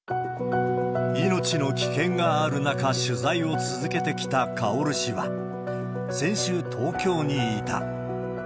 命の危険がある中、取材を続けてきたカオル氏は、先週、東京にいた。